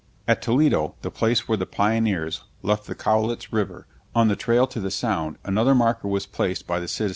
At Toledo, the place where the pioneers left the Cowlitz River on the trail to the Sound, another marker was placed by the citizens.